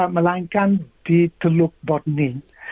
melahinkan di teluk botni